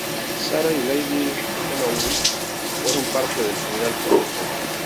Sarah y Lady Fellowes fueron parte del funeral público.